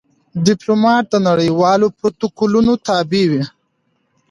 ډيپلومات د نړېوالو پروتوکولونو تابع وي.